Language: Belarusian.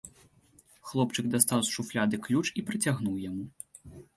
Хлопчык дастаў з шуфляды ключ і працягнуў яму.